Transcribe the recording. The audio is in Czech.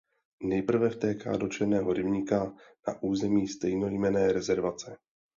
Nejprve vtéká do Černého rybníka na území stejnojmenné rezervace.